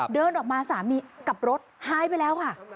เดินออกมาสามีกลับรถหายไปแล้วค่ะ